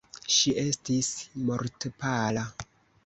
Ŝi estis mortpala.